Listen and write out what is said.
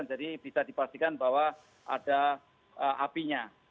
jadi bisa dipastikan bahwa ada apinya